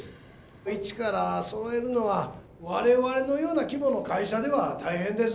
一からそろえるのは我々のような規模の会社では大変です。